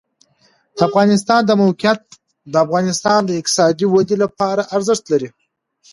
د افغانستان د موقعیت د افغانستان د اقتصادي ودې لپاره ارزښت لري.